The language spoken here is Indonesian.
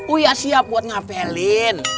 uya siap buat ngapelin